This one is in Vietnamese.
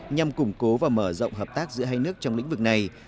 nhằm củng cố và mở rộng hợp tác giữa hai nước trong lĩnh vực này